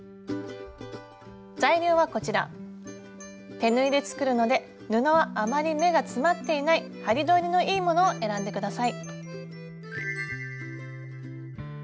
手縫いで作るので布はあまり目が詰まっていない針通りのいいものを選んで下さい。